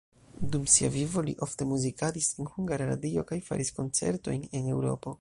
Dum sia vivo li ofte muzikadis en Hungara Radio kaj faris koncertojn en Eŭropo.